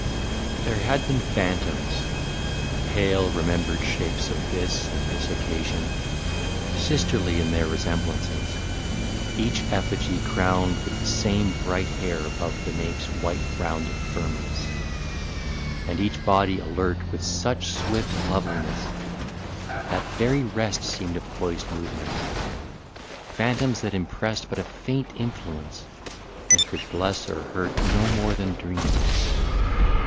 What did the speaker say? There had been phantoms, pale remembered shapes Of this and this occasion, sisterly In their resemblances, each effigy Crowned with the same bright hair above the nape's White rounded firmness, and each body alert With such swift loveliness, that very rest Seemed a poised movement: ... phantoms that impressed But a faint influence and could bless or hurt No more than dreams.